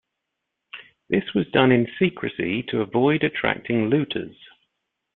This was done in secrecy to avoid attracting looters.